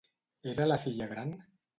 Era la filla gran?